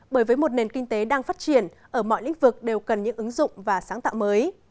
bởi với một nền kinh tế đang phát triển ở mọi lĩnh vực đều cần những ứng dụng và sáng tạo mới